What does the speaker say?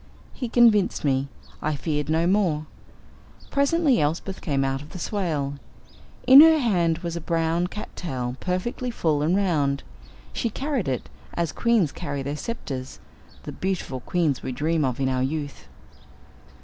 He convinced me. I feared no more. Presently Elsbeth came out of the swale. In her hand was a brown "cattail," perfectly full and round. She carried it as queens carry their sceptres the beautiful queens we dream of in our youth.